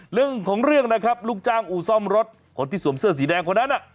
เรื่องของเรื่องนะครับลูกจ้างอู่ซ่อมรถคนที่สวมเสื้อสีแดงคนนั้นน่ะ